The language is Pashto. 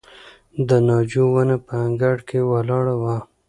د ناجو ونه په انګړ کې ولاړه وه.